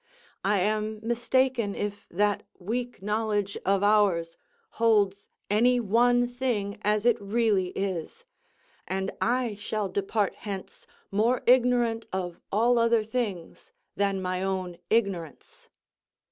I am mistaken if that weak knowledge of ours holds any one thing as it really is, and I shall depart hence more ignorant of all other things than my own ignorance.